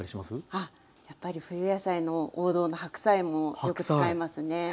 あっやっぱり冬野菜の王道の白菜もよく使いますね。